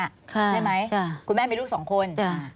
ใช่ไหมคุณแม่มีลูกสองคน